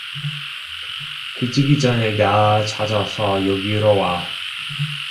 해지기 전에 다 찾아서 여기로 와